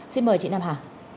xin mời chị nam hà